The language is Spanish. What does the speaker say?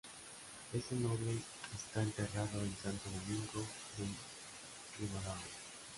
Este noble está enterrado en Santo Domingo de Ribadavia.